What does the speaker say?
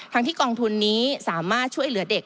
ที่กองทุนนี้สามารถช่วยเหลือเด็ก